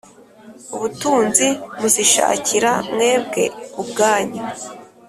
ubutunzi muzishakira mwebwe ubwanyu